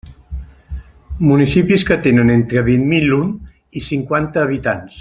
Municipis que tenen entre vint mil un i cinquanta habitants.